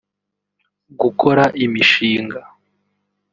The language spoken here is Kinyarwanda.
gukora imishinga